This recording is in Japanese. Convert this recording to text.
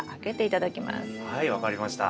はい分かりました。